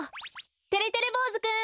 てれてれぼうずくん！